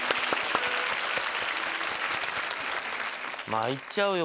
参っちゃうよ